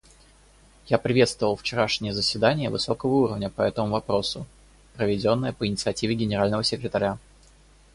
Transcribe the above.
Я приветствовал вчерашнее заседание высокого уровня по этому вопросу, проведенное по инициативе Генерального секретаря.